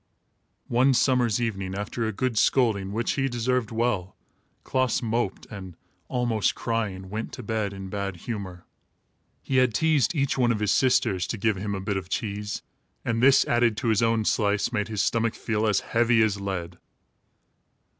One summer's evening, after a good scolding, which he deserved well, Klaas moped and, almost crying, went to bed in bad humor. He had teased each one of his sisters to give him her bit of cheese, and this, added to his own slice, made his stomach feel as heavy as lead.